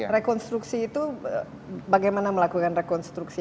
rekonstruksi itu bagaimana melakukan rekonstruksi